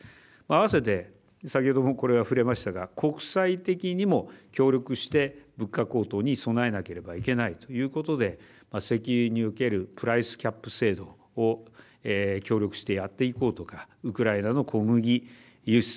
合わせて先ほどもこれは触れましたが国際的にも協力して物価高騰に備えなければいけないということで、石油におけるプライスキャップ制度を協力してやっていこうとかウクライナの小麦輸出